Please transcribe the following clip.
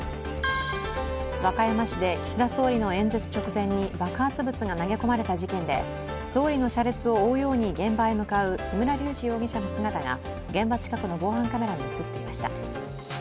和歌山市で岸田総理の演説直前に爆発物が投げ込まれた事件で総理の車列を追うように現場へ向かう木村隆二容疑者の姿が現場近くの防犯カメラに映っていました。